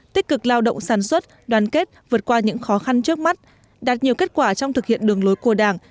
tích cực lao động sản xuất đoàn kết vượt qua những khó khăn trước mắt đạt nhiều kết quả trong thực hiện đường lối của đảng